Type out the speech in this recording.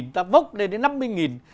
ta vốc lên đến năm mươi